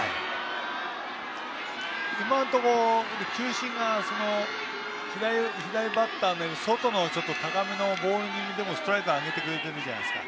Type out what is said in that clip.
今のところ球審が左バッターの外の高めのボール気味でもストライクをあげてくれているじゃないですか。